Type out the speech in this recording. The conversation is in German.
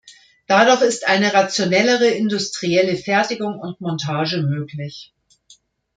Dadurch ist eine rationellere industrielle Fertigung und Montage möglich.